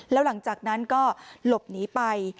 แล้วหลังจากนั้นก็หลบหนีไป